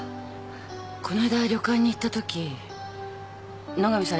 この間旅館に行ったとき野上さん